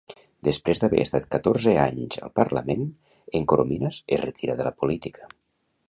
Després d'haver estat catorze anys al Parlament, en Corominas es retira de la política.